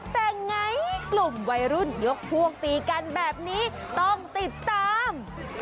แต่ไงกลุ่มวัยรุ่นยกพวกตีกันแบบนี้ต้องติดตาม